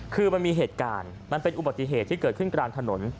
คือมันมีเหตุการณ์มันเป็นอุบัติเหตุที่เกิดขึ้นกลางถนน